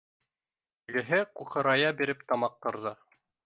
Тегеһе ҡуҡырая биреп тамаҡ ҡырҙы